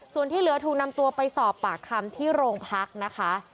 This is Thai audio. ส่วนที่เหลือถูกนำตัวไปสอบปากคำที่โรงพักนะคะ